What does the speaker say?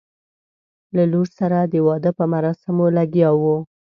له لور سره د واده په مراسمو لګیا وو.